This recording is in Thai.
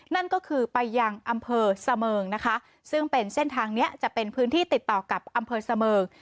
นั่นก็คือไปยังอำเภอเสมิงนะคะซึ่งเป็นเส้นทางนี้จะเป็นพื้นที่ติดต่อกับอำเภอเสมิง